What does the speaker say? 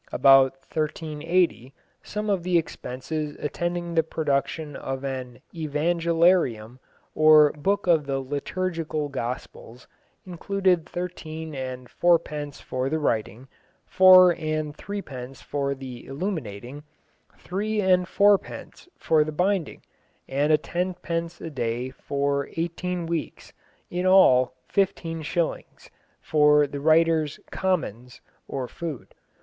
About 1380 some of the expenses attending the production of an Evangeliarium, or book of the liturgical Gospels, included thirteen and fourpence for the writing, four and threepence for the illuminating, three and fourpence for the binding, and tenpence a day for eighteen weeks, in all fifteen shillings, for the writer's "commons," or food.